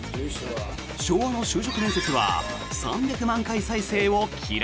昭和の就職面接は３００万回再生を記録。